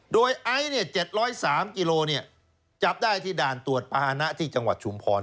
โดยไอซ์๗๐๓กิโลจับได้ที่ด่านตรวจภาษณะที่จังหวัดชุมพร